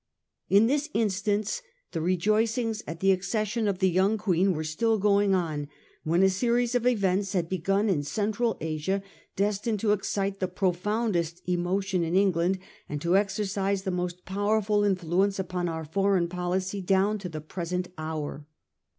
In this instance, the rejoicings at the accession of the young Queen were still going on, when a series of events had begun in Central Asia destined to excite the profoundest emotion in England, and to exercise the most powerful influence upon our foreign policy down to the present hour.